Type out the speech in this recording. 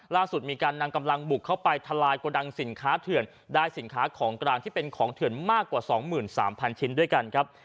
ล่าสุดมีการนำกำลังบุกเข้าไปทลายกระดังสินค้าเถื่อนได้สินค้าของกลางที่เป็นของเถื่อนมากกว่า๒๓๐๐ชิ้นด้วยกันครับ